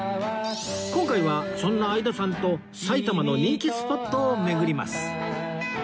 今回はそんな相田さんと埼玉の人気スポットを巡ります